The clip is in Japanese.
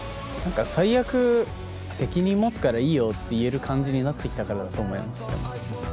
最悪責任持つからいいよって言える感じになってきたからだと思いますでも。